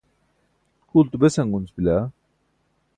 kʰuulto besan gunc bila